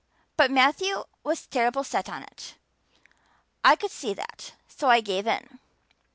But Matthew was terrible set on it. I could see that, so I gave in.